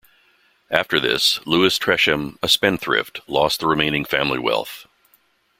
After this, Lewis Tresham, a spendthrift, lost the remaining family wealth.